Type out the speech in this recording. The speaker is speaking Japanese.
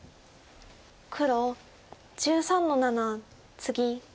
黒１３の七ツギ。